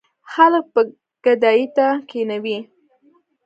خلک به ګدايۍ ته کېنوي.